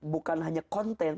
bukan hanya konten